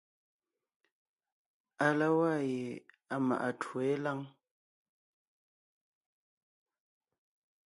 À la waa ye à maʼa twó yé lâŋ.